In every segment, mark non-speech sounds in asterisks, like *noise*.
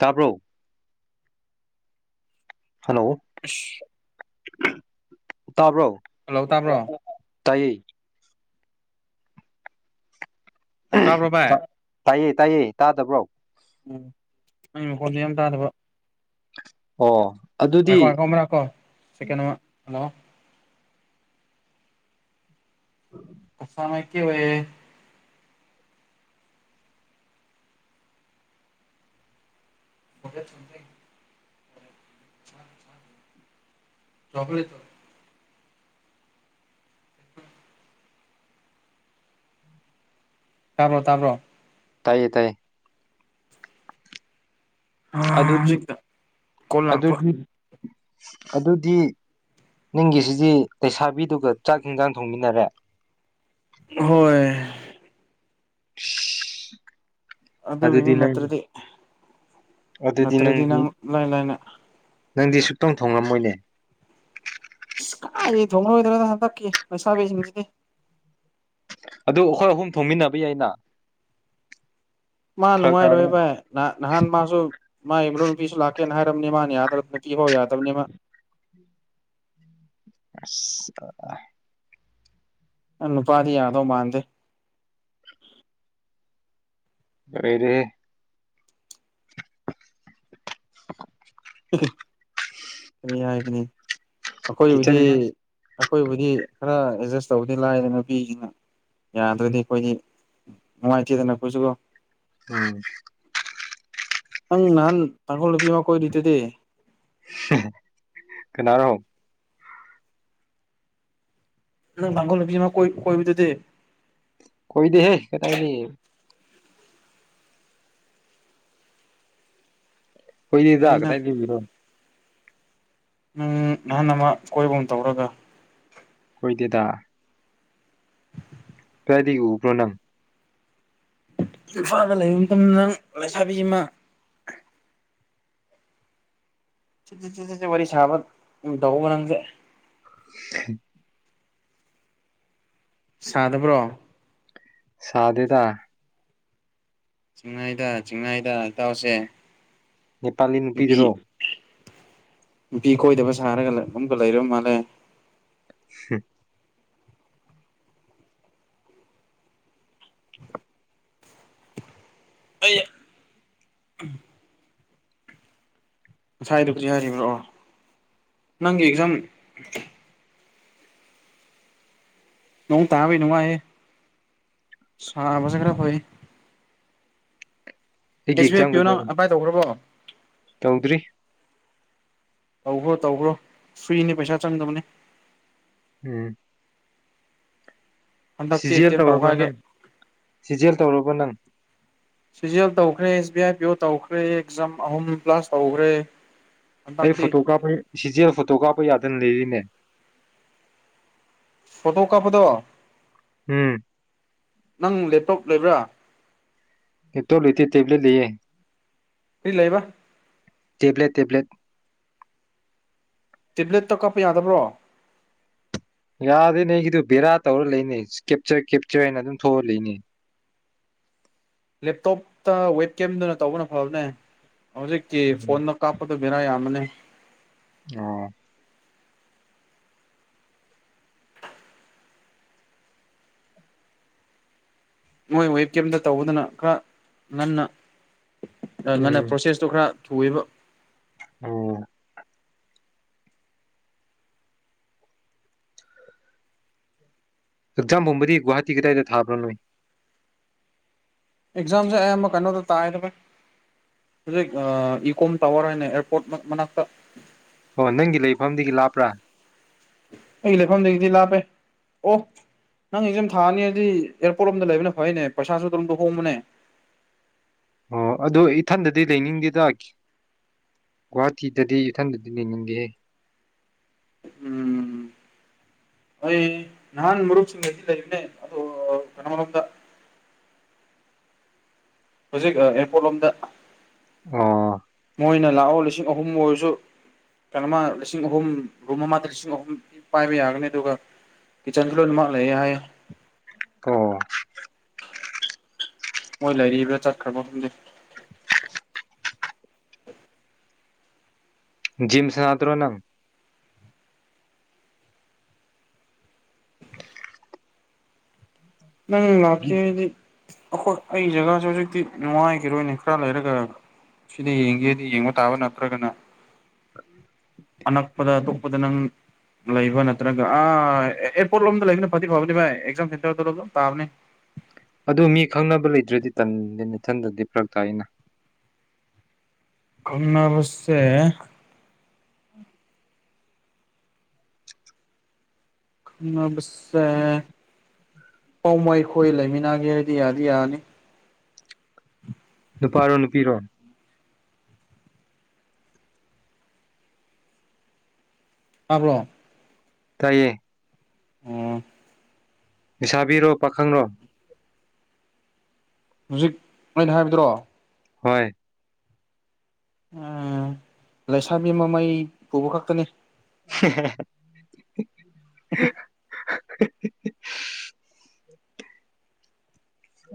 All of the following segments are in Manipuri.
ꯇꯄꯣ ꯍꯜꯂꯣ ꯍꯂꯧꯕ ꯇꯥꯕ꯭ꯔꯣ ꯇꯥꯏꯏ ꯇꯥꯕ꯭ꯔꯣ ꯑ ꯚꯥꯏ ꯇꯥꯏꯌꯦ ꯇꯥꯏꯌꯦ ꯇꯥꯗꯕ꯭ꯔꯣ ꯎꯝ ꯑꯩ ꯃꯈꯣꯜꯁꯨ ꯌꯥꯝ ꯇꯥꯗꯕ ꯑꯣ ꯑꯗꯨꯗꯤ ꯉꯥꯏꯈꯣ ꯉꯥꯏꯈꯣ ꯑꯃ ꯂꯥꯛꯀꯣ ꯁꯦꯀꯦꯟ ꯑꯃ ꯍꯜꯂꯣ ꯎ ꯀꯁꯥꯉꯥꯏ ꯀ ꯑꯣꯏꯌꯦꯦ ꯂꯇꯦ ꯆꯠ ꯐ ꯆꯀꯂꯦꯇꯣ ꯇꯥꯔ꯭ꯔꯣ ꯇꯥ꯭ꯔꯣ ꯇꯥꯏꯌꯦ ꯇꯥꯏꯌꯦ ꯑꯗꯨꯗꯤ ꯍꯧꯖꯤꯛꯇ ꯀꯣꯜ ꯂꯥꯛꯄ ꯑꯗꯨꯗꯤ ꯑꯗꯨꯗꯤ ꯅꯤꯡꯪꯒꯤꯁꯤꯗꯤ ꯂꯩꯁꯥꯕꯤꯗꯨꯒ ꯆꯥꯛ ꯌꯦꯟꯖꯥꯡ ꯊꯣꯡꯃꯤꯟꯅꯔꯦ ꯍꯣꯏ ꯑꯗꯨꯗ ꯑꯗꯨꯗꯤ ꯅꯤ ꯅꯪ ꯅꯠꯇ꯭ꯔꯗꯤ ꯑꯗꯨꯗꯤ ꯅꯠꯇ꯭ꯔꯗꯤꯅ ꯅꯪꯗꯤ ꯂꯩꯥꯏ ꯂꯩꯥꯏꯅ ꯅꯪꯗꯤ ꯁꯨꯛꯇꯣꯡ ꯊꯣꯉꯝꯃꯣꯏꯅꯦ ꯑ ꯀꯥꯏꯗꯒꯤꯦ ꯊꯣꯡꯅꯣꯏꯗ꯭ꯔꯣꯅ ꯍꯟꯇꯛꯀꯤ ꯂꯩꯁꯥꯕꯤꯁꯤꯡꯁꯤꯗꯤ ꯑꯗꯨ ꯑꯩꯈꯣꯏ ꯑꯍꯨꯝ ꯊꯣꯡꯃꯤꯟꯅꯕ ꯌꯥꯏꯅ ꯃꯥ ꯐꯔꯛ ꯅꯉꯥꯏ ꯇꯥꯕ꯭ꯔꯣ ꯔꯣꯏꯕꯥꯏ ꯅꯍ ꯅꯍꯥꯟ ꯃꯥꯁꯨ ꯃꯥꯕꯨ ꯤꯁꯨ ꯂꯥꯛꯀꯦꯅ ꯍꯥꯏꯔꯕꯝꯅꯤ ꯃꯥꯅ ꯌꯥꯗ꯭ꯔꯕ ꯅꯨꯄꯤ ꯐꯥꯎ ꯌꯥꯗꯕꯅꯤ ꯃꯥ ꯑ ꯑꯅ ꯅꯨꯄꯥꯥꯗꯤ ꯌꯥꯗꯣ ꯃꯥꯗ ꯑꯣꯏꯔꯦ ꯀ ꯌꯥꯏ ꯀꯅꯤ ꯑꯩꯈꯣꯏꯕꯨꯗꯤ ꯀꯤꯠꯆꯟ ꯑꯩꯈꯣꯏꯕꯨꯗꯤ ꯈꯔ ꯑꯦꯗꯖꯁ ꯇꯧꯕꯗꯤ ꯂꯥꯏꯗ ꯅꯨꯄꯤꯁꯤꯅ ꯌꯥꯗ꯭ꯔꯗꯤ ꯑꯩꯈꯣꯏꯗꯤ ꯅꯨꯡꯉꯥꯏꯇꯦꯗꯅꯄꯁꯨꯀꯣ ꯎꯝ ꯑꯪ ꯅꯍꯥꯟ ꯄꯜ ꯕꯤꯃ ꯀꯗꯇꯗ ꯀꯅꯥꯔꯣ ꯅꯪ ꯊꯥꯡꯒꯣꯜ ꯅꯨꯁꯤꯃ ꯀꯣꯏ ꯀꯣꯏꯕꯗꯨꯗꯤ ꯀꯗ ꯍꯦ ꯀꯦ ꯇꯥꯏꯅꯤ ꯄꯣꯏꯗꯤꯖꯒ ꯇꯥꯏꯗꯤꯕꯤꯔꯣ ꯎꯝ ꯅꯍꯥꯟ ꯑꯃ ꯀꯣꯏꯕꯨꯝ ꯇꯧꯔꯒ ꯍꯣꯏꯗꯦꯗ ꯗꯤ ꯎ ꯄ꯭ꯔꯣꯅꯝ ꯏꯝꯐꯥꯜꯗ ꯂꯩꯕ ꯃꯇꯝꯗ ꯅꯪ ꯂꯩꯁꯥꯕꯤ ꯑꯃ ꯆꯆꯦ ꯋꯥꯔꯤ ꯁꯥꯕ ꯗꯎ ꯅꯗꯦ *inaudible* ꯁꯅꯕ꯭ꯔꯣ ꯁꯥꯗꯗ ꯆꯤꯡꯅꯥꯏꯗ ꯆꯤꯡꯅꯥꯏꯗ ꯏꯇꯥꯎꯁꯦ ꯅꯦꯄꯥꯂꯤ ꯅꯨꯄꯤꯗꯨꯔꯣ ꯅꯨꯄꯤ ꯅꯨꯄꯤ ꯀꯣꯏꯗꯕ ꯁꯥꯔꯒꯒꯨꯝꯒ ꯂꯩꯔꯨ ꯃꯥꯜꯂꯦ ꯎꯝ ꯑꯩ ꯉꯁꯥꯏꯗꯕꯨꯖꯤꯛ ꯍꯥꯏꯔꯤꯕ꯭ꯔꯣ ꯅꯪꯒꯤ ꯑꯦꯛꯖꯥꯝ ꯅꯣꯡ ꯇꯥꯕꯩ ꯅꯨꯡꯉꯥꯏ ꯁꯥꯕꯁꯦ ꯈꯔ ꯍꯣꯏ ꯑꯩꯒꯤ ꯑꯦꯁ ꯕꯤ ꯑꯥꯏ ꯑꯦꯛꯖꯥꯝ ꯄꯤꯌꯨ ꯀꯩꯗ ꯅꯪ ꯑꯥꯏ ꯇꯧꯈ꯭ꯔꯕꯣ ꯇꯧꯗ꯭ꯔꯤ ꯇꯧꯈ꯭ꯔꯣ ꯇꯧꯈ꯭ꯔꯣ ꯐ꯭ꯔꯤꯅꯤ ꯄꯩꯁꯥ ꯆꯪꯗꯕꯅꯤ ꯎꯝ ꯍꯟꯗꯛꯇꯤ ꯁꯤꯖꯦꯜ ꯑꯦꯇꯦꯝ ꯇꯧꯔꯕ ꯇꯧꯈꯥꯏꯒꯦ ꯅꯪ ꯁꯤꯖꯦꯜ ꯇꯧꯔꯕ ꯅꯪ ꯁꯤꯤꯖꯤ ꯑꯦꯜ ꯇꯧꯈ꯭ꯔꯦ ꯑꯦꯁ ꯕꯤ ꯑꯥꯏ ꯄꯤ ꯑꯣ ꯇꯧꯈ꯭ꯔꯦ ꯑꯦꯛꯖꯥꯝ ꯑꯍꯨꯝ ꯄ꯭ꯂꯥꯁ ꯇꯧꯈ꯭ꯔꯦ ꯑꯩ ꯍꯟꯗꯛꯇꯤ ꯐꯣꯇꯣ ꯀꯥꯄ ꯁꯤꯖꯦ ꯐꯣꯇꯣ ꯀꯥꯞꯄ ꯌꯥꯗꯅ ꯂꯩꯔꯤꯅꯦ ꯄꯣꯛ ꯀꯥꯄꯗꯋꯥ ꯎꯝ ꯅꯪ ꯂꯦꯞꯇꯣꯞ ꯂꯩꯕ꯭ꯔꯥ ꯇꯣ ꯂꯇ ꯇꯕꯂꯤ ꯂꯌꯦ ꯀꯔꯤ ꯂꯩꯕ ꯇꯦꯄ꯭ꯂꯦꯠ ꯇꯦꯄ꯭ꯂꯦꯠ ꯇꯦꯕ꯭ꯂꯦꯠꯇꯣ ꯀꯥꯞꯄ ꯌꯥꯗꯕ꯭ꯔꯣ ꯌꯥꯗꯦ ꯅꯒꯤꯗꯨ ꯕꯦꯔꯥ ꯇꯧꯔ ꯂꯩꯅꯤ ꯀꯦꯞꯆꯔ ꯀꯦꯞꯆꯔ ꯍꯥꯏꯅ ꯑꯗꯨꯝ ꯊꯣꯛꯑ ꯂꯩꯅꯤ ꯂꯦꯞꯇꯣꯞꯇ ꯋꯦꯞ ꯀꯦꯝꯗꯨꯅ ꯇꯧꯕꯅ ꯐꯕꯅꯦ ꯍꯧꯖꯤꯦ ꯀ ꯐꯣꯟ ꯅ ꯀꯥꯄ ꯕꯔ ꯌꯥꯝ ꯑꯃꯅꯦ ꯑꯣ ꯃꯣꯏ ꯋꯦꯞ ꯀꯦꯝꯇ ꯇꯧꯕꯗꯅ ꯈꯔ ꯉꯟꯅ ꯃ ꯎꯝ ꯄ꯭ꯔꯣꯁꯦꯁꯇꯣ ꯈꯔ ꯊꯨꯃ ꯑꯣ ꯑꯦꯛꯖꯥꯝ ꯍꯨꯝꯕꯗꯤ ꯒꯨꯍꯥꯇꯤ ꯀꯗꯥꯏꯗ ꯊꯥꯕ꯭ꯔꯅꯣꯅꯣ ꯑꯦꯛꯖꯥꯝꯁꯦ ꯑꯌꯥꯝꯕ ꯀꯩꯅꯣꯗ ꯇꯥꯏꯗꯕ ꯍꯧꯖꯤꯛ ꯏ ꯀꯣꯝ ꯇꯥꯋꯔ ꯍꯥꯏꯅ ꯑꯦꯌꯥꯔꯄꯣꯔꯠ ꯃꯅꯥꯛꯇ ꯑꯣ ꯅꯪꯒꯤ ꯂꯩꯐꯝꯗꯒꯤ ꯂꯥꯞꯄ꯭ꯔꯥ ꯑꯩꯒꯤ ꯂꯩꯐꯝꯗꯒꯤꯗꯤ ꯂꯥꯞꯄꯦ ꯑꯣ ꯅꯪ ꯑꯦꯖꯝ ꯊꯥꯅꯤꯗꯤ ꯑꯦꯌꯥꯔꯄꯣꯔꯠ ꯑꯣꯝꯗ ꯂꯩꯕꯅ ꯐꯩꯅꯦ ꯄꯩꯁꯥꯁꯨ ꯑꯗꯨꯝꯗ ꯍꯣꯡꯕꯅꯦ ꯑꯣ ꯑꯗꯨꯗꯣ ꯏꯊꯟꯗꯗꯤ ꯂꯩꯅꯤꯡꯗꯦꯗ ꯒꯨꯍꯥꯇꯤꯗꯗꯤ ꯏꯊꯟꯗꯗꯤ ꯂꯩꯅꯤꯡꯗꯦ ꯑꯩꯣꯏ ꯅꯥꯟ ꯃꯔꯨꯛꯁꯤ ꯂꯩꯂ ꯏꯅꯦ ꯑꯗꯨ ꯀꯟꯃꯔꯗ ꯍꯧꯖꯤꯛ ꯑꯦꯔꯄꯣꯔꯠ ꯂꯣꯝꯗ ꯑꯣ ꯃꯣꯏꯅ ꯂꯥꯛꯑꯣ ꯂꯤꯁꯤꯡ ꯑꯍꯨꯝ ꯑꯣꯏꯔꯁꯨ ꯀꯩꯅꯣꯃ ꯂꯤꯁꯤꯡ ꯑꯍꯨꯝ ꯔꯨꯝ ꯑꯃꯗ ꯂꯤꯁꯤꯡ ꯑꯍꯨꯝ ꯄꯥꯏꯕ ꯌꯥꯒꯅꯤ ꯑꯗꯨꯒ ꯀꯤꯠꯆꯟꯁꯨ ꯂꯣꯏꯅꯃꯛꯥꯛꯂꯑꯦ ꯍꯥꯏ ꯑꯣ ꯃꯣꯏ ꯂꯩꯔꯤꯕ꯭ꯔꯥ ꯆꯠꯈ꯭ꯔꯕ ꯈꯪꯗꯦ *inaudible* ꯖꯤꯝ ꯁꯅꯥꯗ꯭ꯔꯣ ꯅꯪ ꯅꯪ ꯂꯄꯤꯗꯤ ꯑꯈꯣꯏ ꯑꯩ ꯖꯒꯥꯁꯨꯦ ꯍꯧꯖꯤꯛꯇꯤ ꯅꯨꯡꯉꯥꯏꯈꯤꯔꯣꯏꯅꯦ ꯈꯔ ꯂꯩꯔꯒ ꯁꯤꯗ ꯌꯦꯡꯒꯦꯗꯤ ꯌꯦꯡꯕ ꯇꯥꯕ ꯅꯠꯇ꯭ꯔꯒꯅ ꯑꯅꯛꯄꯗ ꯑꯇꯣꯞꯄꯗ ꯅꯪ ꯂꯩꯕ ꯅꯠꯇ꯭ꯔꯒ ꯑ ꯑꯦꯔꯄꯣꯔꯠ ꯂꯣꯝꯗ ꯂꯩꯕꯅ ꯐꯥ ꯐꯅꯦ ꯑꯦꯛꯖꯝ ꯁꯦꯟꯔꯣ ꯄꯇꯥꯕꯅꯦ ꯑꯗꯨ ꯃꯤ ꯈꯪꯅꯕ ꯂꯩꯇ꯭ꯔꯗꯤ ꯇꯟꯗꯤꯦꯊꯟꯗꯗꯤ ꯐꯔꯛ ꯇꯥꯏ ꯑꯩꯅ ꯟꯅꯁꯦ ꯑꯁ ꯑ ꯄꯥꯎꯃꯥꯏꯈꯣꯏ ꯂꯩꯃꯤꯅꯥꯒꯦ ꯍꯥꯏꯗꯤ ꯌꯥꯗꯤ ꯌꯥꯔꯅꯤ ꯅꯨꯄꯥꯔꯣ ꯅꯨꯄꯤꯔꯣ ꯃꯥꯕ꯭ꯂꯣ ꯇꯥꯏꯌꯦ ꯑꯣ ꯁꯥꯕꯤꯔꯣ ꯄꯥꯈꯪꯔꯣ ꯍꯧꯖꯤꯛ ꯑꯩꯅ ꯍꯥꯏꯕꯗꯨ꯭ꯔꯣ ꯍꯣꯏ ꯎꯝ ꯂꯩꯁꯥꯕꯤ ꯃꯃꯩ ꯄꯨꯕ ꯈꯛꯇꯅꯤ *inaudible* *inaudible* *inaudible*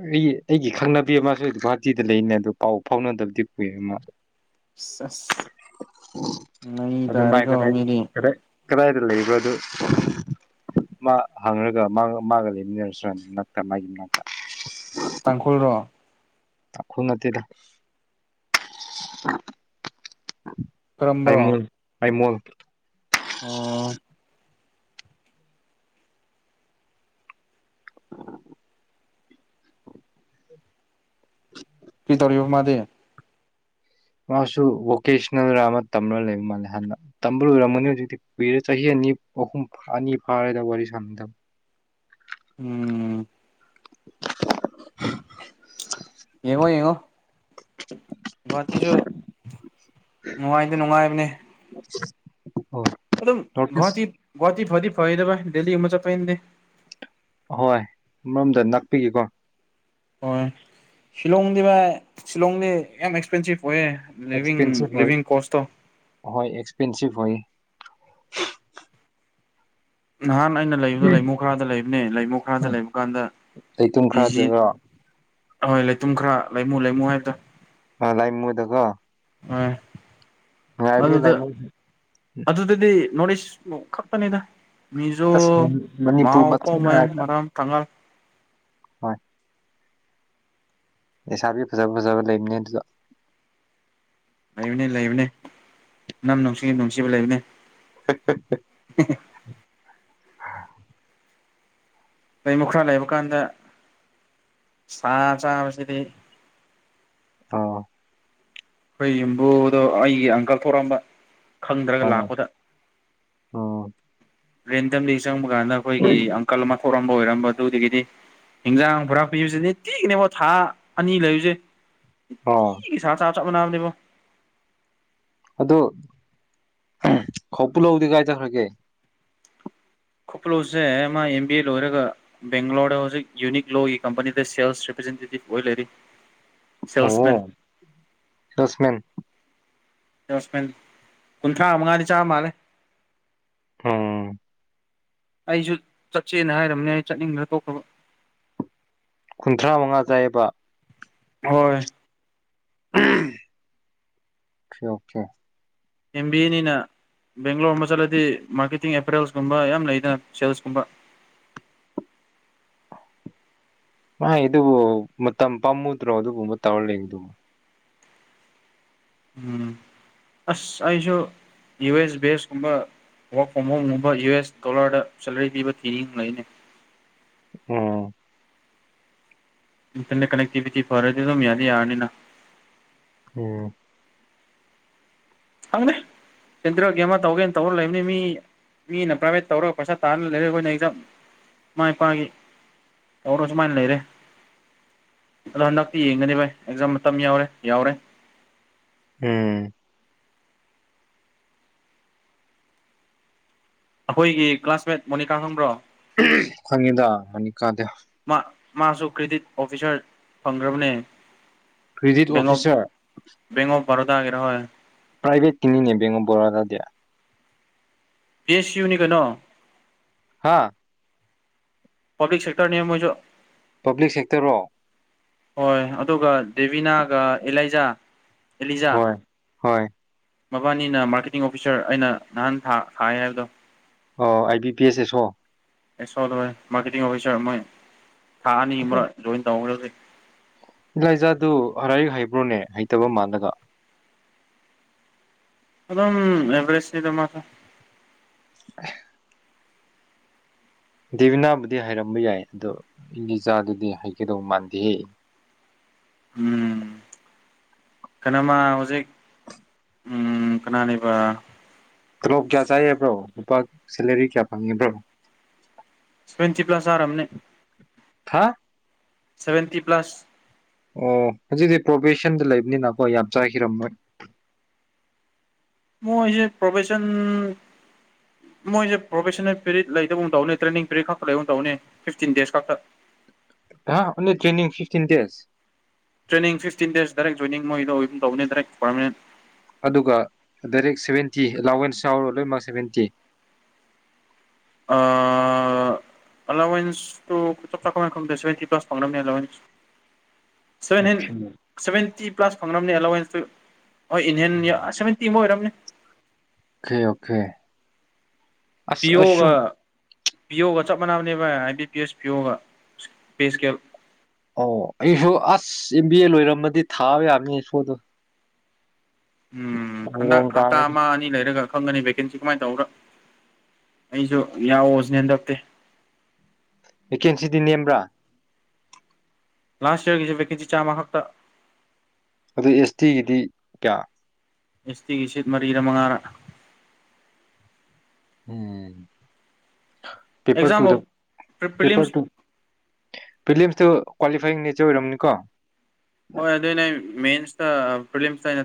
ꯑꯩꯒꯤ ꯑꯩꯒꯤ ꯈꯪꯅꯕꯤ ꯑꯃꯁꯨ ꯒꯨꯍꯥꯇꯤꯗ ꯂꯩꯅꯦ ꯑꯗꯨꯣ ꯄꯥꯎ ꯐꯥꯎꯅꯗꯕꯗꯤ ꯀꯏ ꯑꯃ ꯑꯁ ꯅ ꯏ ꯑꯗꯨ ꯃꯥꯏ ꯇꯔꯦꯀꯣ ꯀꯗꯥꯏ ꯃꯔꯤ ꯀꯗꯥꯏ ꯀꯗꯥꯏꯗ ꯂꯩꯕꯣ ꯑꯗꯨ ꯃꯥ ꯍꯪꯉꯒ ꯃꯥ ꯃꯥꯒ ꯂꯩꯃꯤꯟꯅꯔꯁꯨꯅꯤ ꯃꯅꯥꯛꯇ ꯃꯥꯒꯤ ꯃꯅꯥꯛꯇ ꯇꯥꯡꯈꯨꯜꯔꯣ ꯑꯈꯣꯏ ꯅꯗ ꯀꯔꯝꯕ꯭ꯔꯣ ꯑꯥꯏꯃꯣꯜ ꯑꯥꯏꯃꯣꯜ ꯑꯣ ꯎ ꯀꯤ ꯇꯧꯔꯤꯕ ꯃꯥꯗꯤ ꯃꯥꯁꯨ ꯚꯣꯀꯦꯁꯅꯦꯜ ꯔ ꯑꯃ ꯇꯝꯔꯒ ꯂꯩꯕ ꯃꯥꯜꯂꯦ ꯍꯥꯟꯅ ꯇꯝꯕꯣꯏꯔꯝꯃꯅꯤ ꯍꯧꯖꯤꯛꯇꯤ ꯀꯨꯏꯔꯦ ꯆꯍꯤ ꯑꯅꯤ ꯑꯍꯨꯝ ꯑꯅꯤ ꯐꯥꯔꯦꯗ ꯋꯥꯔꯤ ꯁꯥꯟꯅꯗꯕ ꯎꯝ *inaudible* ꯌꯦꯡꯉꯣ ꯌꯦꯡꯉꯣ ꯉꯠꯇꯁꯨꯁꯨ ꯅꯨꯡꯉꯥꯏꯗꯤ ꯅꯨꯡꯉꯥꯏꯕꯅꯦ ꯑꯣ ꯑꯗꯨꯝ ꯅꯣꯔꯠ ꯏꯁ ꯉꯇꯤ ꯇꯤ ꯐꯗꯤ ꯀꯗꯕ ꯗꯦꯂꯤ ꯏ ꯃꯨꯆꯥꯄꯥꯏꯗꯦ ꯑꯍꯣꯏ ꯑꯃꯔꯣꯝꯗ ꯅꯥꯛꯄꯤꯒꯦꯀꯣ ꯍꯣꯏ ꯁꯤꯂꯣꯡꯗꯤ ꯚꯥꯏ ꯁꯤꯂꯣꯡꯗꯤ ꯌꯥꯝ ꯑꯦꯛꯁꯄꯦꯟꯁꯤꯞ ꯑꯣꯏꯌꯦꯦ ꯂꯤꯚ ꯑꯦꯛꯁꯄꯦꯟꯁꯤꯞ ꯑꯣꯏ ꯂꯤꯚꯡ ꯀꯣꯁꯇꯣ ꯍꯣꯏ ꯑꯦꯛꯁꯄꯦꯟꯁꯤꯞ *inaudible* ꯅꯍꯥꯟ ꯑꯩꯅ ꯂꯩꯕꯗꯣ ꯂꯩꯃꯨ ꯈꯔꯗ ꯂꯩꯕꯅꯦ ꯂꯩꯃꯨ ꯈꯔꯗ ꯂꯩꯕ ꯀꯥꯟꯗ ꯂꯩꯇꯨꯝ ꯤ ꯖꯤ ꯈꯔꯗꯒ ꯑꯣꯏ ꯂꯩꯇꯨꯝ ꯈꯔ ꯂꯩꯃꯨ ꯂꯩꯃꯨ ꯍꯥꯏꯕꯗꯣ ꯑ ꯂꯥꯏꯃꯗꯀꯣ ꯑ ꯑꯗꯨꯗ ꯂꯥꯏꯃꯨ ꯑꯗꯨꯗꯨꯗꯤ ꯅꯣ ꯈꯞꯄꯅꯤꯗ ꯃꯤꯖꯣ ꯑꯁ ꯃꯥ ꯃꯅꯤꯄꯨꯔ ꯑꯣꯄ ꯃꯆꯥ ꯃꯥꯏ ꯉꯥꯛꯇ ꯃꯔꯝ ꯊꯉꯜ ꯏꯁꯥꯕꯤ ꯐꯖꯕ ꯐꯖꯕ ꯂꯩꯕꯅꯦ ꯑꯗꯨꯗ ꯂꯩꯕꯅꯦ ꯂꯩꯕꯅꯦ ꯅꯝ ꯅꯨꯡꯁꯤ ꯅꯨꯡꯁꯤꯕ ꯂꯩꯕꯅꯦ *inaudible* ꯑꯩꯃꯨꯛ ꯈꯔ ꯂꯩꯕ ꯀꯥꯟꯗ ꯁꯥ ꯆꯥꯕꯁꯤꯗꯤ ꯑ ꯍꯣꯏ ꯌꯕꯨꯗꯣ ꯑꯩꯒꯤ ꯑꯪꯀꯜ ꯊꯣꯛꯣꯔꯛꯝꯕ ꯈꯪꯗ꯭ꯔꯒ ꯑꯣ ꯂꯥꯛꯄꯗ ꯎꯝ ꯔꯦꯟꯝ ꯂꯩꯁ ꯆꯪꯕ ꯀꯥꯟꯗ ꯑꯩꯈꯣꯏꯒꯤ ꯑꯪꯀꯜ ꯑꯃ ꯍꯧꯧꯔꯝꯕ ꯑꯣꯏꯔꯝꯕ ꯑꯗꯨꯗꯒꯤꯗꯤ ꯍꯤꯟꯖꯥꯡ ꯄꯨꯔꯥ ꯄꯤꯕꯁꯤꯗꯤ ꯇꯤꯅꯦꯕ ꯊꯥ ꯑꯅꯤ ꯂꯩꯨꯁꯦ ꯑ ꯅꯥꯗꯕ ꯑꯗꯨ ꯈ ꯄꯨꯂꯧꯗꯤ ꯀꯥꯏꯖꯈ꯭ꯔꯒꯦ ꯈꯨꯣꯀꯂꯣꯁꯦ ꯃꯥ ꯑꯦꯝ ꯕꯤ ꯑꯦ ꯂꯣꯏꯔꯒ ꯕꯦꯡꯒ꯭ꯂꯣꯔꯗ ꯍꯧꯖꯤꯛ ꯌꯨꯅꯤꯛ ꯂꯣꯒꯤ ꯀꯝꯄꯅꯤꯗ ꯁꯦꯜꯁ ꯔꯤꯄ꯭ꯔꯖꯦꯟꯇꯦꯇꯤꯞ ꯑꯣꯏ ꯂꯩꯔꯤ ꯑꯣ ꯁꯦꯜꯁꯃꯦꯟ ꯁꯁꯃꯦꯟ ꯁ ꯀꯨꯟꯊ꯭ꯔꯥ ꯃꯉꯥꯏꯅꯤ ꯆꯥ ꯃꯥꯜꯦ ꯍꯝ ꯑꯩꯁꯨ ꯆꯠꯁꯦꯅ ꯍꯥꯏꯔꯝꯅꯦ ꯑꯩ ꯆꯠꯅꯤꯡꯕꯅ ꯇꯣꯛꯈ꯭ꯔꯕ ꯀꯨꯟꯊ꯭ꯔꯥ ꯃꯉꯥ ꯆꯥꯏꯌꯦꯕ ꯍꯣꯏ ꯁꯤ ꯑꯣꯁꯦ ꯑꯦꯝ ꯕꯤ ꯑꯦꯅꯤꯅ ꯕꯦꯡꯒ꯭ꯂꯣꯔ ꯑꯃ ꯆꯠꯂꯗꯤ ꯃꯥꯔꯀꯦꯇꯤꯡ ꯑꯦꯄꯦꯔꯦꯜꯁꯀꯨꯝꯕ ꯌꯥꯝ ꯂꯩꯗꯅ ꯁꯦꯜꯁꯀꯨꯝꯕ ꯃꯥꯥꯏ ꯑꯗꯨꯕꯨ ꯃꯇꯝ ꯄꯥꯝꯃꯨꯗ꯭ꯔꯣ ꯑꯗꯨꯒꯨꯝꯕ ꯇꯧꯔ ꯂꯩꯗꯨꯃ ꯎꯝ ꯑꯁ ꯑꯩꯁꯨ ꯌꯨ ꯑꯦꯁ ꯕꯦꯁꯀꯨꯝꯕ ꯋꯔꯛ ꯐ꯭ꯔꯣꯝ ꯍꯣꯝꯒꯨꯝꯕ ꯌꯨ ꯑꯦꯁ ꯗꯣꯂꯔꯗ ꯁꯦꯂꯔꯤ ꯄꯤꯕ ꯊꯤꯅꯤꯡ ꯂꯩꯅꯤ ꯎꯝ ꯏꯟꯇꯔꯅꯦꯠ ꯀꯅꯦꯛꯇꯤꯚꯤꯇꯤ ꯐꯔꯗꯤ ꯑꯗꯨꯝ ꯌꯥꯗꯤ ꯌꯥꯔꯅꯤꯅ ꯎꯝ ꯈꯪꯗꯦ ꯁꯦꯟꯇꯔꯒꯦ ꯑꯃ ꯇꯧꯒꯦꯅ ꯇꯧꯔ ꯂꯩꯕꯅꯤ ꯃꯤ ꯃꯤꯅ ꯄ꯭ꯔꯥꯏꯚꯦꯠ ꯇꯧꯔꯒ ꯄꯩꯁꯥ ꯇꯥꯔꯅ ꯂꯩꯔ ꯑꯩꯈꯣꯏꯅ ꯑꯦꯛꯖꯥ ꯏꯃꯥ ꯏꯄꯥꯒꯤ ꯑꯣꯔꯣꯁꯨꯃꯥꯏ ꯂꯩꯔꯦ ꯑꯗꯣ ꯍꯟꯗꯛꯇꯤ ꯌꯦꯡꯒꯅꯤ ꯚꯥꯏ ꯑꯦꯛꯖꯥꯝ ꯃꯇꯝ ꯌꯥꯎꯔꯦ ꯌꯥꯎꯔꯦ ꯎꯝ ꯑꯩꯈꯣꯏꯒꯤ ꯀ꯭ꯂꯥꯁꯃꯦꯠ ꯃꯣꯅꯤꯀꯥ ꯈꯪꯕ꯭ꯔꯣ ꯐꯅꯤꯗ ꯍꯅꯤ ꯀꯥꯗ ꯃꯥ ꯃꯥꯁꯨ ꯀ꯭ꯔꯦꯗꯤꯠ ꯑꯣꯐꯤꯁꯥꯔ ꯐꯪꯈ꯭ꯔꯕꯅꯦ ꯀ꯭ꯔꯦꯗꯤꯠ ꯑꯣꯐꯤꯁꯔ ꯄꯔꯗꯒꯦꯔꯦ ꯍꯣꯏ ꯄꯥꯏꯚꯦꯠ ꯇꯅꯦ ꯦꯡꯀ ꯑꯣꯐ ꯔꯣꯗꯥ ꯗꯌꯥ ꯑꯦ ꯁꯤ ꯌꯨꯅꯤ ꯀꯩꯅꯣ ꯑꯥ ꯄꯕ꯭ꯂꯤꯛ ꯁꯦꯛꯇꯔ ꯑꯃꯁꯨ ꯄꯕ꯭ꯂꯤꯛ ꯁꯦꯛꯇꯔꯣ ꯍꯣꯏ ꯑꯗꯨꯒ ꯗꯦꯕꯤꯅꯥꯒ ꯑꯦꯂꯥꯏꯖꯥ ꯑꯦꯂꯤꯖꯥ ꯍꯣꯏ ꯍꯣꯏ ꯃꯕꯥꯅꯤꯅ ꯃꯥꯔꯀꯦꯇꯤꯡ ꯑꯣꯐꯤꯁꯥꯔ ꯑꯩꯅ ꯅꯍꯥꯟ ꯊꯥꯏ ꯍꯥꯏꯕꯗꯣ ꯑꯣ ꯑꯥꯏ ꯕꯤ ꯄꯤ ꯑꯦꯁ ꯑꯦꯁ ꯑꯣꯣ ꯑꯦ ꯆꯣ ꯃꯀꯦ ꯑꯣꯐꯤꯁꯔ ꯃꯣꯏ ꯊꯥ ꯑꯅꯤ ꯑꯃꯛ ꯖꯣꯏꯟ ꯇꯧꯈ꯭ꯔꯖꯤꯦ ꯏꯂꯥꯏ ꯏꯖꯥꯗꯨ ꯍꯔ ꯍꯩꯕ꯭ꯔꯣꯅꯦ ꯍꯩꯇꯕ ꯃꯜꯂꯒ ꯑꯝ ꯑꯦꯕꯔꯦꯁꯗ ꯃꯥꯊ *unintelligible* ꯗꯦꯕꯤꯅꯥꯕꯨꯗꯤ ꯍꯥꯏꯔꯝꯕ ꯌꯥꯏ ꯑꯗꯣ ꯏ ꯂꯤꯆꯥꯗꯨꯗꯤ ꯍꯥꯏꯒꯗꯧ ꯃꯥꯟꯗꯦꯍꯦ ꯀꯅꯥꯃ ꯍꯧꯖꯤꯛ ꯎ ꯀꯅꯥꯅꯦꯕ ꯇꯣꯂꯣꯞ ꯀꯌꯥ ꯆꯥꯏꯌꯦꯕ꯭ꯔꯣ ꯂꯨꯄꯥ ꯁꯦꯂꯔꯤ ꯀꯌꯥ ꯐꯪꯉꯦꯕ꯭ꯔꯣ ꯁꯚꯦꯟꯇꯤ ꯄ꯭ꯂꯁ ꯆꯥꯔꯝꯅꯦ ꯍꯥ ꯁꯚꯦꯟꯇꯤ ꯄ꯭ꯂꯁ ꯑꯣ ꯍꯧꯖꯤꯛꯗꯤ ꯄ꯭ꯔꯣꯚꯦꯁꯟꯗ ꯂꯩꯕꯅꯤꯅꯀꯣ ꯌꯥꯝ ꯆꯥꯈꯤꯔꯝꯃꯣꯏ ꯃꯣꯏꯖꯦ ꯄ꯭ꯔꯣꯚꯦꯁꯟ ꯃꯣꯏꯁꯦ ꯄ꯭ꯔꯣꯚꯦꯁꯟꯅ ꯄꯤꯔꯤꯠ ꯂꯩꯇꯕꯒꯨꯝ ꯇꯧꯅꯤ ꯇ꯭ꯔꯦꯅꯤꯡ ꯄꯤꯔꯤꯠ ꯈꯛꯇ ꯂꯩꯕ ꯇꯧꯅꯤ ꯐꯤꯐꯇꯤꯟ ꯗꯦꯖ ꯈꯛꯇ ꯑꯍꯥ only training fifteen days training fifteen days direct joining ꯃꯣꯏꯗꯣ ꯑꯣꯏꯕꯒꯨꯝ ꯇꯧꯕꯅꯦ ꯗꯥꯏꯔꯦꯛ ꯄꯔꯃꯥꯅꯦꯟ ꯑꯗꯨꯒ ꯗꯥꯏꯔꯦꯛ ꯁꯚꯦꯟꯇꯤ ꯑꯦꯂꯥꯎꯋꯦꯟꯁ ꯌꯥꯎꯔ ꯂꯣꯏꯃꯛ ꯁꯚꯦꯟꯇꯤ ꯑꯥ ꯑꯦꯂꯥꯋꯦꯟꯁ ꯇꯣ ꯆꯞ ꯆꯥ ꯀꯃꯥꯏ ꯈꯪꯗꯦ ꯁꯚꯦꯟꯇꯤ ꯄ꯭ꯂꯁ ꯐꯪꯅꯕꯅꯦ ꯑꯦꯂꯥꯎꯋꯦꯟꯁ ꯁꯚꯦꯟ ꯍꯦꯟ ꯑꯣꯀꯦ ꯁꯚꯦꯟꯇꯤ ꯄ꯭ꯂꯥꯁ ꯐꯪꯅꯝꯅꯦ ꯑꯦꯂꯥꯎꯋꯦꯟꯁꯇꯨ ꯍꯣꯏ ꯏꯟ ꯍꯦꯟ ꯑ ꯁꯚꯦꯟꯇꯤꯃꯨꯛ ꯑꯣꯏꯔꯝꯅꯤ ꯑꯣꯀꯦ ꯑꯣꯀꯦ ꯑꯁ ꯑꯁꯁꯨ ꯄꯤꯌꯣꯒ ꯆꯞ ꯃꯥꯟꯅꯕꯅꯦꯕ ꯑꯥꯏ ꯕꯤ ꯄꯤ ꯑꯦꯁ ꯄꯤꯌꯣꯒ ꯁꯁ ꯄꯦ ꯁ꯭ꯀꯦꯜ ꯑꯣ ꯑꯩꯁꯨ ꯑꯁ ꯑꯦꯝ ꯕꯤ ꯑꯦ ꯂꯣꯏꯔꯝꯃꯗꯤ ꯊꯥꯕ ꯌꯥꯕꯅꯦ ꯑꯦꯁꯣꯗꯣ ꯎꯝ ꯍꯟꯗꯛ ꯍꯞꯇꯥ ꯇꯥꯔꯅꯤ ꯑꯃ ꯑꯅꯤ ꯂꯩꯔꯒ ꯐꯪꯒꯅꯤv ꯚꯦꯀꯦꯟꯁꯤ ꯀꯃꯥꯏꯅ ꯇꯧꯕ꯭ꯔꯥ ꯑꯩꯁꯨ ꯌꯥꯎꯑꯣꯁꯤꯅꯦꯟꯗꯞꯇꯦ ꯚꯦꯀꯦꯟꯁꯤꯗꯤ ꯅꯦꯝꯕ꯭ꯔꯥ ꯂꯥꯁ ꯏꯌꯔꯒꯤꯁꯤ ꯚꯦꯀꯦꯟꯁꯤ ꯆꯥꯝꯃ ꯈꯛꯇ ꯑꯗꯨ ꯑꯦꯁ ꯇꯤꯒꯤꯗꯤ ꯀꯌꯥ ꯑꯦꯁ ꯇꯤꯒꯤ ꯁꯤꯠ ꯃꯔꯤꯔꯥ ꯃꯉꯥꯔꯥ ꯎꯝ ꯄꯦꯄꯔ ꯇꯨꯗ ꯑꯦꯛꯖꯥꯝ ꯄꯦꯄꯔ ꯄ꯭ꯔꯤꯂꯤꯝꯁ ꯇꯨ ꯄ꯭ꯔꯤꯂꯤꯌꯝꯁꯇꯨ ꯀ꯭ꯋꯥꯂꯤꯐꯥꯏꯌꯤꯡ ꯅꯤꯠ ꯏꯆꯦ ꯑꯣꯏꯔꯝꯅꯤꯀꯣ ꯍꯣꯏ ꯑꯗꯨꯏꯅꯦ ꯃꯦꯟꯁꯇ ꯄ꯭ꯔꯤꯂꯤꯝꯁꯇ ꯑꯩꯅ